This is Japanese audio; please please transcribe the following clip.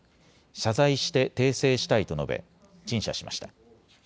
謝罪して訂正したいと述べ陳謝しました。